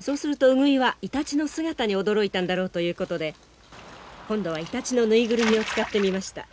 そうするとウグイはイタチの姿に驚いたんだろうということで今度はイタチの縫いぐるみを使ってみました。